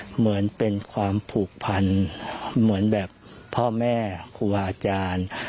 เหมือนเป็นความผูกพันเหมือนแบบพ่อแม่ครูอาจารย์